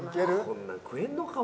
こんなん食えんのか？